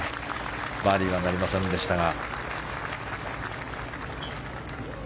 バーディーはなりませんでしたが。